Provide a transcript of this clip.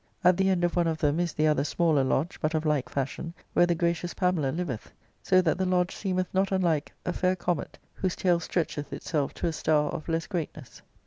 At the end of one of ^em is the other smaller lodge, but of like fashion, where the gracious Pamela liveth ; so that the lodge seemeth not unlike a fair comet, whos^ tail stfetcheth itself to a star of less greatness.